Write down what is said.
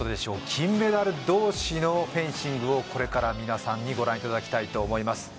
金メダル同士のフェンシングをこれから皆さんにご覧いただきたいと思います